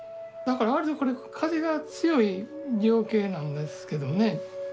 だから割とこれ風が強い情景なんですけどね